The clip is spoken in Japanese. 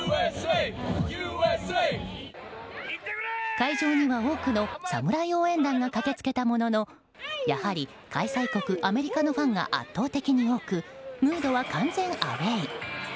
会場には多くのサムライ応援団が駆け付けたもののやはり、開催国アメリカのファンが圧倒的に多くムードは完全アウェー。